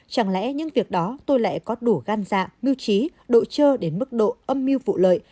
chẳng lẽ những việc đó tôi lại có đủ gan dạ mưu trí độ trơ đến mức độ âm mưu vụ lợi